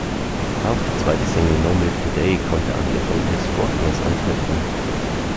Auch die zweite Single "No Milk Today" konnte an die Erfolge des Vorgängers anknüpfen.